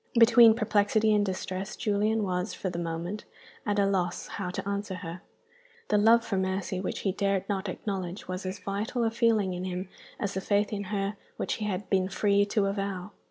Between perplexity and distress Julian was, for the moment, at a loss how to answer her. The love for Mercy which he dared not acknowledge was as vital a feeling in him as the faith in her which he had been free to avow.